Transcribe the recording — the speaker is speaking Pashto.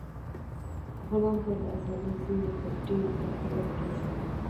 غلام ته د ازادۍ زېری په ډېره خوښۍ ورکړل شو.